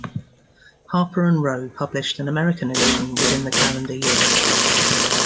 Harper and Row published an American edition within the calendar year.